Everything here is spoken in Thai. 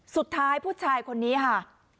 สุดท้ายผู้ชายคนนี้ค่ะ